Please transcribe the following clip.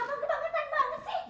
apa kebangetan banget sih